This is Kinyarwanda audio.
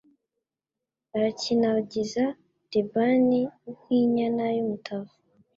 Arakinagiza Libani nk’inyana y’umutavu